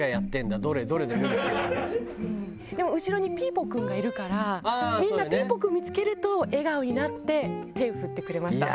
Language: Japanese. でも後ろにピーポくんがいるからみんなピーポくん見付けると笑顔になって手振ってくれました。